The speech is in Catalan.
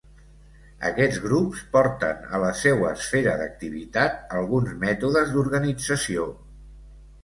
Aquests grups porten a la seua esfera d'activitat alguns mètodes d'organització.